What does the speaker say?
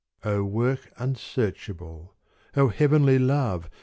O work unsearchable, O heavenly love.